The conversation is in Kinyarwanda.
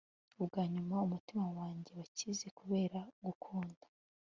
ubwanyuma umutima wanjye wakize kubera gukunda